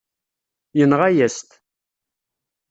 Yenɣa-yas-t.